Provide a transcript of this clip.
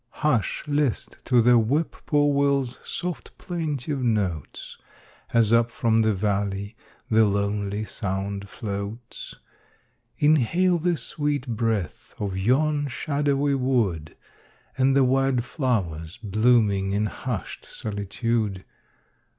Hush! list to the Whip poor will's soft plaintive notes, As up from the valley the lonely sound floats, Inhale the sweet breath of yon shadowy wood And the wild flowers blooming in hushed solitude.